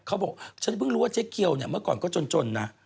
เขาบอกฉันเพิ่งรู้ว่าเจ๊เกียวเนี่ยเมื่อก่อนก็จนนะ